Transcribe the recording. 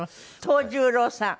藤十郎さん。